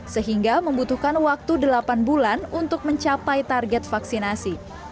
sehingga membutuhkan waktu delapan bulan untuk mencapai target vaksinasi